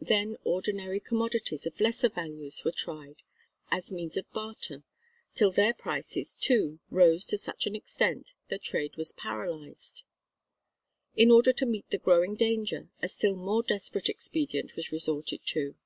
Then ordinary commodities of lesser values were tried as means of barter, till their prices too rose to such an extent that trade was paralysed. In order to meet the growing danger a still more desperate expedient was resorted to.